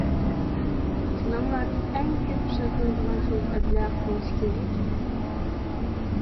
تىلىڭلاردا ئەڭ كۆپ ئىشلىتىلىدىغان سۆز «ئەبلەخ» بولسا كېرەك.